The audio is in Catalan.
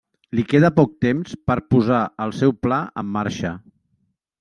Li queda poc temps per posar el seu pla en marxa.